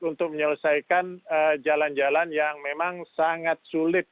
untuk menyelesaikan jalan jalan yang memang sangat sulit